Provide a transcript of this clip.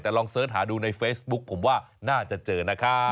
แต่ลองเสิร์ชหาดูในเฟซบุ๊คผมว่าน่าจะเจอนะครับ